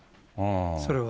それは。